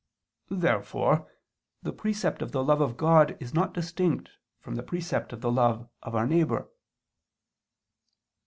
Therefore the precept of the love of God is not distinct from the precept of the love of our neighbor.